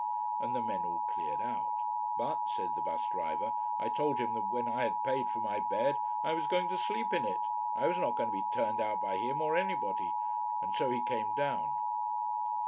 And the men all cleared out. "But," said the bus driver, "I told him that when I had paid for my bed I was going to sleep in it. I was not going to be turned out by him or anybody. And so he came down."